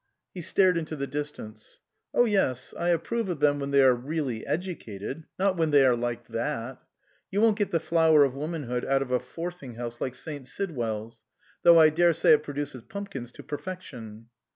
He stared into the distance. " Oh yes, I approve of them when they are really educated not when they are like that. You won't get the flower of womanhood out of a forcing house like St. Sidwell's ; though I daresay it produces pumpkins to perfection."